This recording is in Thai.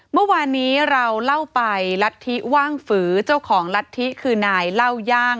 เมื่อวานนี้เราเล่าไปรัฐธิว่างฝือเจ้าของรัฐธิคือนายเล่าย่าง